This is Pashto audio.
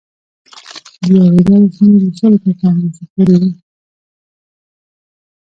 د یوې ډلې شمېر له شلو تر پنځوسو پورې وي.